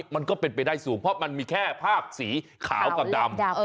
มันก็เป็นไปได้สูงเพราะมันมีแค่ภาพสีขาวกับดำ